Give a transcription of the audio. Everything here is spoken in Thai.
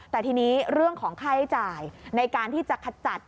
แต่ทีนี้เรื่องของค่าใช้จ่ายในการที่จะขจัด